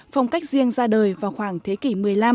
phong cách riêng ra đời vào khoảng thế kỷ một mươi năm